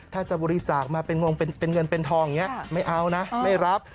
ถ้าจะบริจาคมาเป็นวงเป็นเงินเป็นทองอย่างนี้ไม่เอานะไม่รับ